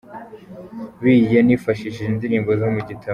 Bi yanifashishije indirimbo zo mu gitabo